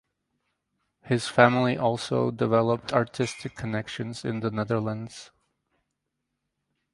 His family also developed artistic connections in the Netherlands.